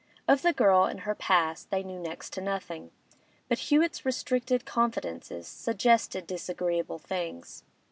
Of the girl and her past they knew next to nothing, but Hewett's restricted confidences suggested disagreeable things.